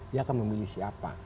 dia akan memilih siapa